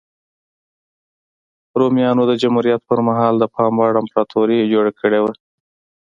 رومیانو د جمهوریت پرمهال د پام وړ امپراتوري جوړه کړې وه